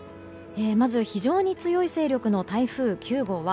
まず非常に強い勢力の台風９号は